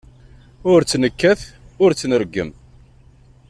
Ur tt-nekkat ur tt-nreggem.